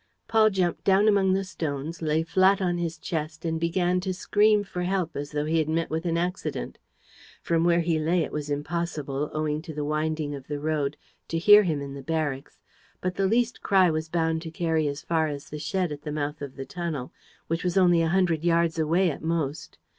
Paul jumped down among the stones, lay flat on his chest and began to scream for help, as though he had met with an accident. From where he lay, it was impossible, owing to the winding of the road, to hear him in the barracks; but the least cry was bound to carry as far as the shed at the mouth of the tunnel, which was only a hundred yards away at most.